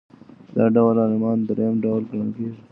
دا ډول عالمان درېیم ډول ګڼل کیږي.